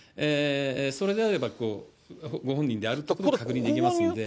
それであればご本人であることは確認できますので。